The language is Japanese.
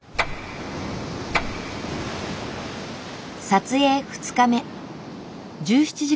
撮影２日目。